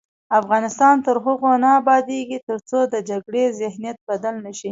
افغانستان تر هغو نه ابادیږي، ترڅو د جګړې ذهنیت بدل نه شي.